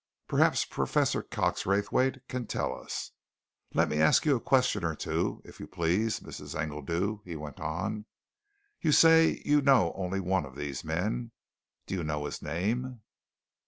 Perhaps Professor Cox Raythwaite can tell us. Let me ask you a question or two, if you please, Mrs. Engledew," he went on. "You say you only know one of these men. Do you know his name?"